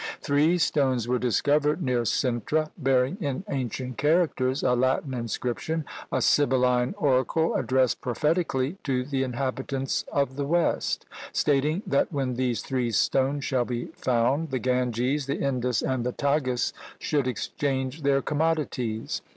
Three stones were discovered near Cintra, bearing in ancient characters a Latin inscription; a sibylline oracle addressed prophetically "To the Inhabitants of the West!" stating that when these three stones shall be found, the Ganges, the Indus, and the Tagus should exchange their commodities!